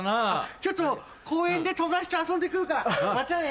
ちょっと公園で友達と遊んでくるからまたね！